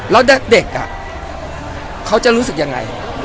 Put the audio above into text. แล้วเด็กอ่ะเขาจะรู้สึกอย่างไร